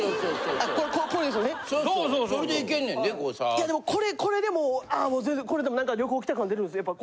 いやでもこれでもあもう全然これでもなんか旅行来た感出るんですやっぱ。